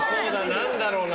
何だろうな。